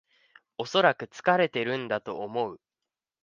おそらく疲れてるんだと思う